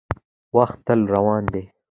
• وخت تل روان دی.